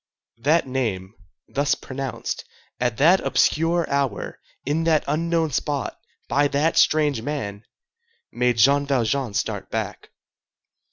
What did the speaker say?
That name, thus pronounced, at that obscure hour, in that unknown spot, by that strange man, made Jean Valjean start back.